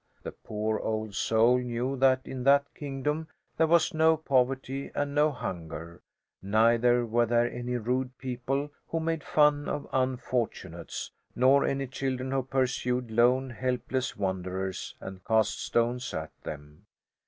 The poor old soul knew that in that kingdom there was no poverty and no hunger, neither were there any rude people who made fun of unfortunates, nor any children who pursued lone, helpless wanderers and cast stones at them.